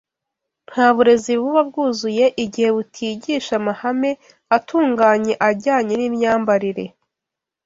Nta burezi buba bwuzuye igihe butigisha amahame atunganye ajyanye n’imyambarire